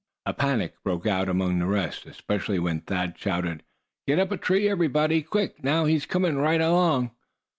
A panic broke out among the rest, especially when Thad shouted: "Get up a tree, everybody! Quick, now, he's coming right along!"